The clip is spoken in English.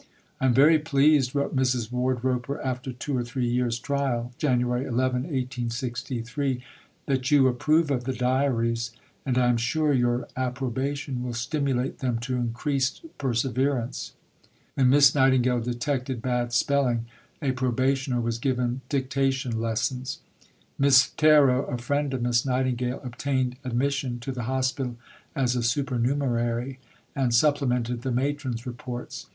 "I am very pleased," wrote Mrs. Wardroper, after two or three years' trial (Jan. 11, 1863), "that you approve of the diaries, and I am sure your approbation will stimulate them to increased perseverance." When Miss Nightingale detected bad spelling, a probationer was given dictation lessons. Miss Terrot, a friend of Miss Nightingale, obtained admission to the Hospital as a supernumerary, and supplemented the Matron's reports.